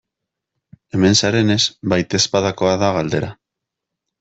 Hemen zarenez, baitezpadakoa da galdera.